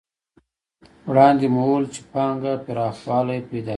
وړاندې مو وویل چې پانګه پراخوالی پیدا کوي